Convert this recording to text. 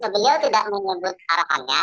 beliau tidak menyebut arahannya